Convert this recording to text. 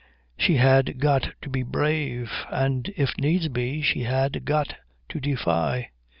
She had got to be brave, and if needs be she had got to defy.